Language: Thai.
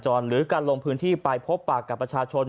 หรือการลงพื้นที่ไปพบปากกับประชาชน